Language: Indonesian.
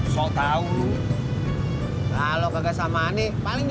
so tau kalau kagak sama nih paling di